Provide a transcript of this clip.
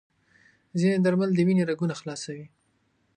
ځینې درمل د وینې رګونه خلاصوي.